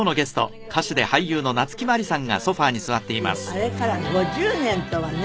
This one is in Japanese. あれから５０年とはね。